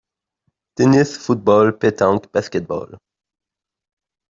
Tennis, football, pétanque, basket-ball.